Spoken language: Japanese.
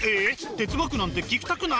哲学なんて聞きたくない？